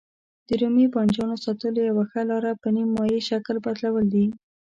د رومي بانجانو ساتلو یوه ښه لاره په نیم مایع شکل بدلول دي.